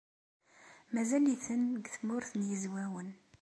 Mazal-iten deg Tmurt n Yizwawen.